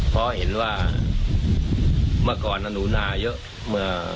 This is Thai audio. เพราะเห็นว่าเมื่อก่อนหนูนาเยอะเมื่อ